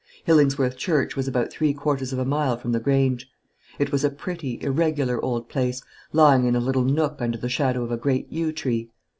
Hillingsworth church was about three quarters of a mile from the Grange. It was a pretty irregular old place, lying in a little nook under the shadow of a great yew tree.